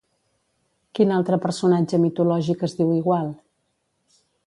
Quin altre personatge mitològic es diu igual?